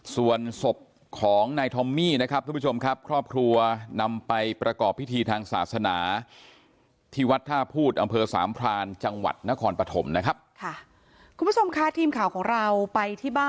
ส่วนศพของนายทอมมี่นะครับทุกผู้ชมครับ